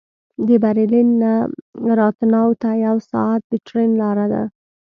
د برلین نه راتناو ته یو ساعت د ټرېن لاره ده